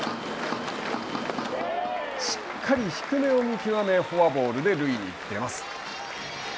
しっかり低めを見極めフォアボールで塁に出ます。